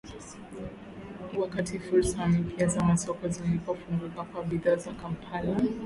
Wakati fursa mpya za masoko zilipofunguka kwa bidhaa za Kampala.